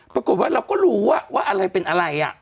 ปรากฏว่าเราก็รู้ว่าอะไรเป็นอะไร